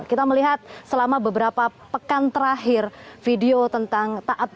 kita melihat selama beberapa pekan terakhir video tentang taat pribadi yang mengelola